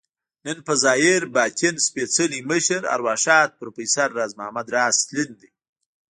نن په ظاهر ، باطن سپیڅلي مشر، ارواښاد پروفیسر راز محمد راز تلين دی